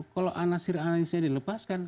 kalau anasir anasir dilepaskan